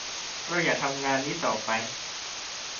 เราอยากทำงานนี้ต่อไป